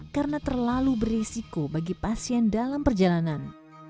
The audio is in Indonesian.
karena terlalu berisiko bagi pasien dalam perjalanan